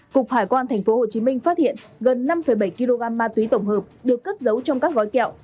cục hải quan tp hcm phát hiện gần năm bảy kg ma túy tổng hợp được cất giấu trong các gói kẹo